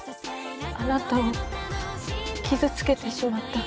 あなたを傷つけてしまった。